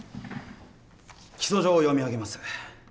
起訴状を読み上げます。